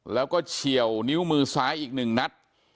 แล้วก็เฉียวนิ้วมือซ้ายอีก๑นัด